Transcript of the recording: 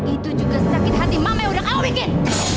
itu juga sakit hati mama yang udah kamu bikin